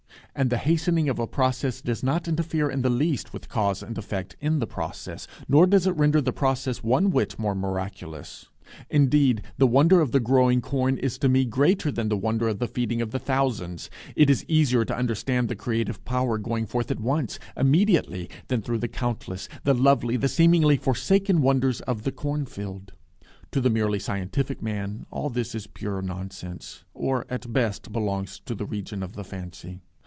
And the hastening of a process does not interfere in the least with cause and effect in the process, nor does it render the process one whit more miraculous. In deed, the wonder of the growing corn is to me greater than the wonder of feeding the thousands. It is easier to understand the creative power going forth at once immediately than through the countless, the lovely, the seemingly forsaken wonders of the corn field. To the merely scientific man all this is pure nonsense, or at best belongs to the region of the fancy.